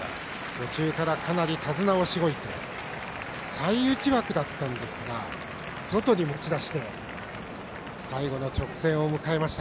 途中から、かなり手綱をしごいて最内枠だったんですが外に持ち出して最後の直線を迎えました。